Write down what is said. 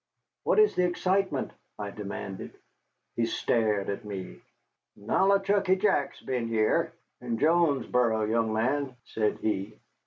"What is the excitement?" I demanded. He stared at me. "Nollichucky Jack's been heah, in Jonesboro, young man," said he.